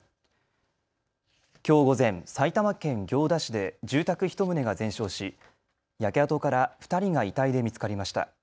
きょう午前、埼玉県行田市で住宅１棟が全焼し焼け跡から２人が遺体で見つかりました。